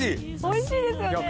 おいしいですよね